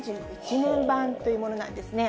年版というものなんですね。